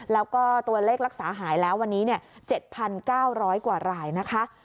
แล้วก็ตัวเลขรักษาหายแล้ววันนี้๗๙๐๐กว่ารายนะคะ